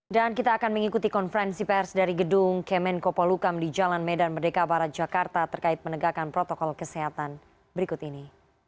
dan kita akan mengikuti konferensi pers dari gedung kemen kopolukam di jalan medan merdeka barat jakarta terkait menegakkan protokol kesehatan berikut ini